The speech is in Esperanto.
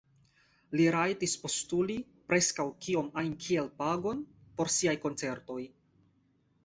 Li rajtis postuli preskaŭ kiom ajn kiel pagon por siaj koncertoj.